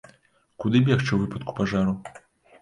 Куды бегчы ў выпадку пажару?